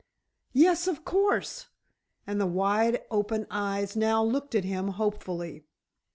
"Yes, of course!" and the wide open eyes now looked at him hopefully.